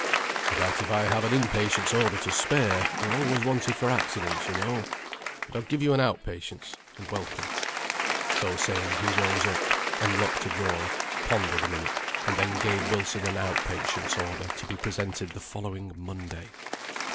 "I doubt if I have an in patient's order to spare; they're always wanted for accidents, you know. But I'll give you an out patient's, and welcome." So saying, he rose up, unlocked a drawer, pondered a minute, and then gave Wilson an out patient's order to be presented the following Monday.